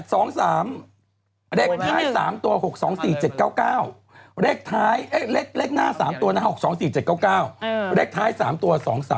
เอามาดูรางวัลที่๑๒๐๓๘๒๓เลขท้าย๓ตัว๖๒๔๗๙๙เลขหน้า๓ตัวนะ๖๒๔๗๙๙เลขท้าย๓ตัว๒๓๖๓๙๗